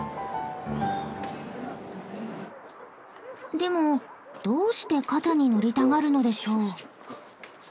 でもどうして肩に乗りたがるのでしょう？